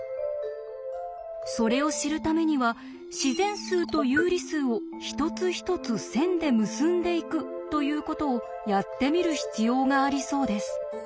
それを知るためには自然数と有理数を一つ一つ線で結んでいくということをやってみる必要がありそうです。